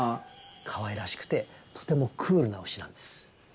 かわいらしくてとてもクールなうしなんです。